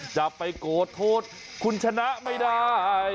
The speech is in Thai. จะไปโกรธโทษคุณชนะไม่ได้